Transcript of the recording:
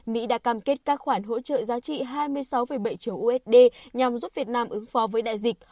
mỹ đã cam kết các khoản hỗ trợ giá trị hai mươi sáu bảy triệu usd nhằm giúp việt nam ứng phó với đại dịch